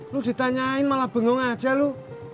lu ditanyain malah bingung aja lu